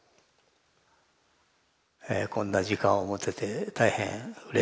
こんな時間を持てて大変うれしい。